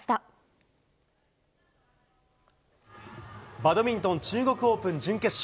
バドミントン中国オープン準決勝。